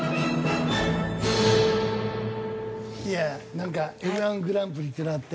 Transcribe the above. なんかＭ−１グランプリっていうのがあって。